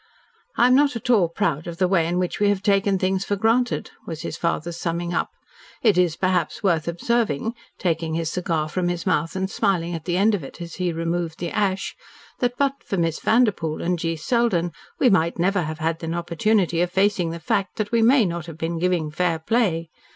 "I am not at all proud of the way in which we have taken things for granted," was his father's summing up. "It is, perhaps, worth observing," taking his cigar from his mouth and smiling at the end of it, as he removed the ash, "that, but for Miss Vanderpoel and G. Selden, we might never have had an opportunity of facing the fact that we may not have been giving fair play.